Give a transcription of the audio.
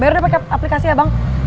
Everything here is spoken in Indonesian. bayar udah pake aplikasi ya bang